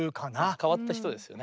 変わった人ですよね。